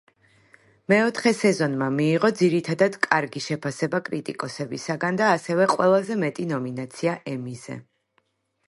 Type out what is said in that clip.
მეოთხე სეზონმა მიიღო ძირითადად კარგი შეფასება კრიტიკოსებისაგან და ასევე ყველაზე მეტი ნომინაცია ემიზე.